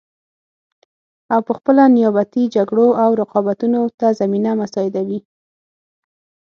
او پخپله نیابتي جګړو او رقابتونو ته زمینه مساعدوي